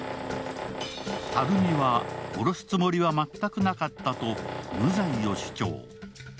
垂水は、殺すつもりは全くなかったと無罪を主張。